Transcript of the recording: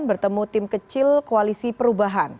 bertemu tim kecil koalisi perubahan